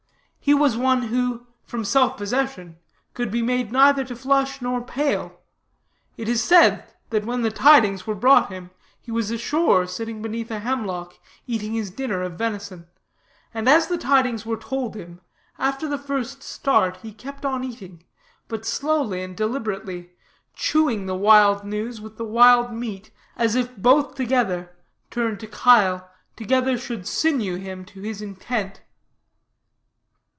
He was one who, from self possession, could be made neither to flush nor pale. It is said that when the tidings were brought him, he was ashore sitting beneath a hemlock eating his dinner of venison and as the tidings were told him, after the first start he kept on eating, but slowly and deliberately, chewing the wild news with the wild meat, as if both together, turned to chyle, together should sinew him to his intent.